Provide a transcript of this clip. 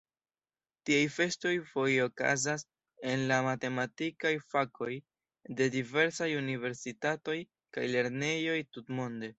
Tiaj festoj foje okazas en la matematikaj fakoj de diversaj universitatoj kaj lernejoj tutmonde.